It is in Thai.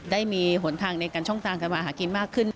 ได้มีหนทางในการช่องทางการมาหากินมากขึ้น